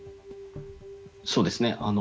そうですね。